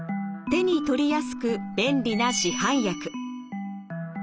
手に取りやすく便利な市販薬。